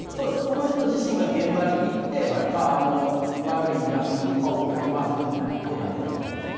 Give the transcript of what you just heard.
この人自身が現場に行って、悪い役人とかを追いかけ回すみたいなことをやってたみたいですね。